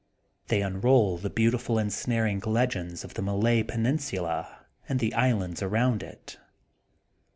They unroll the beau tiful ensnaring legends of the Malay penin sula and the islands around it.